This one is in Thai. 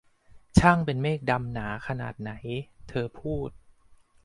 ช่างเป็นเมฆดำหนาขนาดไหน !' เธอพูด